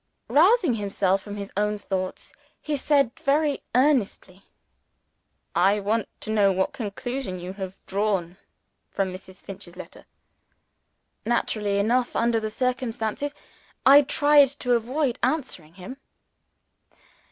Rousing himself from his own thoughts, he said very earnestly "I want to know what conclusion you have drawn from Mrs. Finch's letter." Naturally enough, under the circumstances, I tried to avoid answering him.